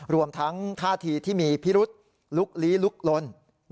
รวมทั้งท่าทีที่มีพิรุษลุกลี้ลุกลน